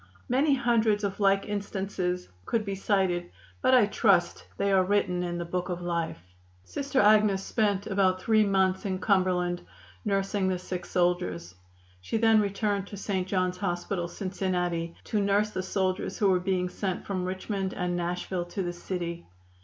Many hundreds of like instances could be cited, but I trust they are written in the Book of Life." Sister Agnes spent about three months in Cumberland nursing the sick soldiers. She then returned to St. John's Hospital, Cincinnati, to nurse the soldiers who were being sent from Richmond and Nashville to the city.